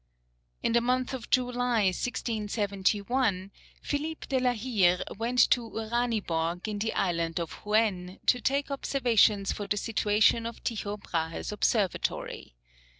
In the month of July, 1671, Philippe de la Hire went to Uraniborg in the Island of Huen, to take observations for the situation of Tycho Brahe's Observatory.